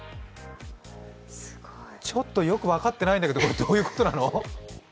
ちょっとよく分かってないんだけど、これどういうことなの？